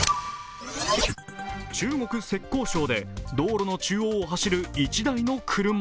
中国・浙江省で道路の中央を走る１台の車。